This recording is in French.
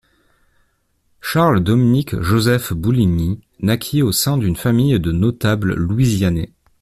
Charles Dominique Joseph Bouligny naquit au sein d'une famille de notables louisianais.